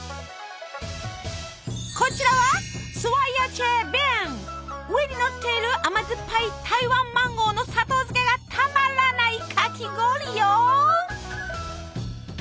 こちらは上にのっている甘酸っぱい台湾マンゴーの砂糖漬けがたまらないかき氷よ！